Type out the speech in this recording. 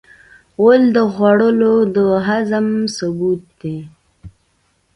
غول د خوړو د هضم ثبوت دی.